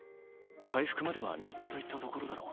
回復までは３日といったところだろう。